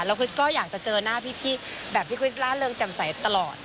คริสก็อยากจะเจอหน้าพี่แบบที่คริสล่าเริงจำใสตลอด